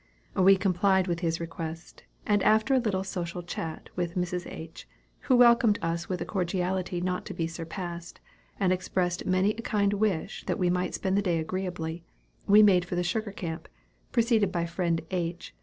We complied with his request, and after a little social chat with Mrs. H., who welcomed us with a cordiality not to be surpassed, and expressed many a kind wish that we might spend the day agreeably, we made for the sugar camp, preceded by friend H.